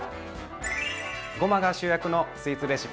ごまが主役のスイーツレシピ。